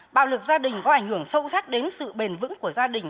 bạo lực gia đình có ảnh hưởng sâu sắc đến sự bền vững của gia đình